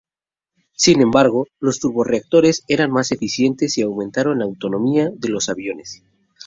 Sin embargo, los turborreactores eran más eficientes y aumentaron la autonomía de los aviones.